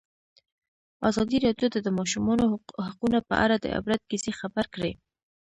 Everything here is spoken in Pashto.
ازادي راډیو د د ماشومانو حقونه په اړه د عبرت کیسې خبر کړي.